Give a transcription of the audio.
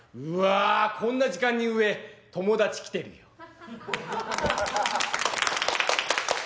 「うわこんな時間に上友達来てるよ」。